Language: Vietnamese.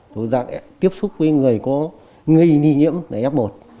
có dạng tiếp xúc với người có nghi nhi nhiễm f một